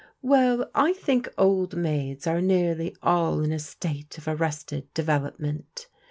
" Well, I think old maids are nearly all in a state of arrested development.